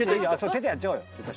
手でやっちゃおうよ。